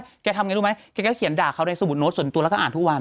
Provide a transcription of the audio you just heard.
แกทำไงรู้ไหมแกก็เขียนด่าเขาในสมุดโน้ตส่วนตัวแล้วก็อ่านทุกวัน